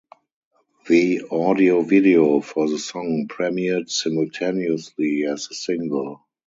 The audio video for the song premiered simultaneously as the single.